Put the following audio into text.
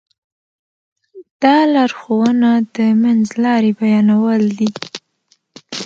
دا لارښوونه د منځ لاره بيانولی شو.